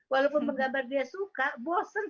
walaupun menggambar dia suka bosen